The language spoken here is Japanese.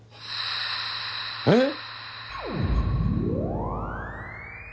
えっ？